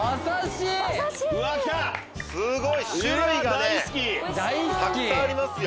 すごい！種類がねたくさんありますよ。